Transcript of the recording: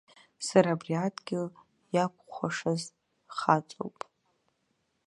Сара абри адгьыл иақәхәашаз хаҵоуп.